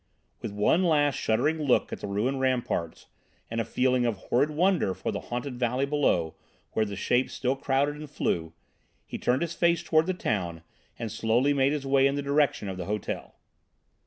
With one last shuddering look at the ruined ramparts, and a feeling of horrid wonder for the haunted valley beyond, where the shapes still crowded and flew, he turned his face towards the town and slowly made his way in the direction of the hotel.